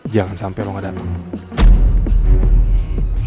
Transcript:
jangan sampai lo gak dapet